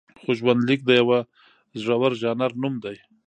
خو ژوندلیک د یوه زړور ژانر نوم دی.